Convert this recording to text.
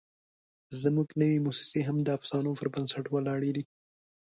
زموږ نوې موسسې هم د افسانو پر بنسټ ولاړې دي.